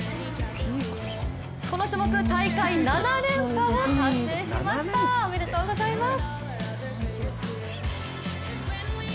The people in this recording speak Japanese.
この種目、大会７連覇を達成しました、おめでとうございます。